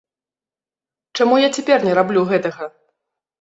Чаму я цяпер не раблю гэтага?